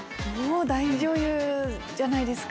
大女優じゃないですか。